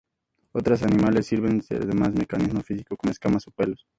Otros animales se sirven además de otros mecanismos físicos como escamas o pelo.